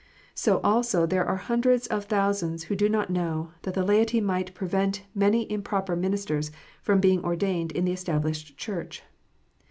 So also there are hundreds of thousands who do not know that the laity might prevent many improper ministers from being ordained in the Established Church.